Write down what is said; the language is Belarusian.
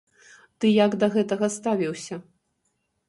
Ты як да гэтага ставіўся?